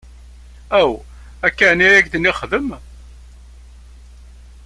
Aw! Akk-a ɛni ay ak-d-nniɣ xdem?